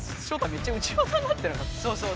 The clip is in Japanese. めっちゃ内股になってなかった？